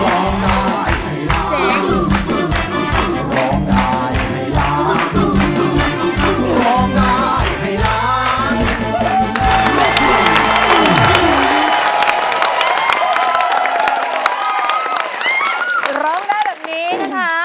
ร้องได้แบบนี้นะคะ